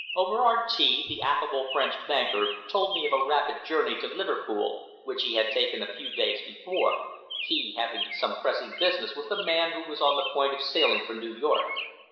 Over our tea the affable French banker told me of a rapid journey to Liverpool which he had taken a few days before, he having some pressing business with a man who was on the point of sailing for New York.